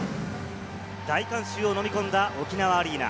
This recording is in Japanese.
大観衆を飲み込んだ沖縄アリーナ。